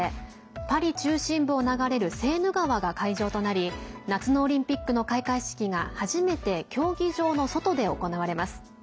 パリ中心部を流れるセーヌ川が会場となり夏のオリンピックの開会式が初めて競技場の外で行われます。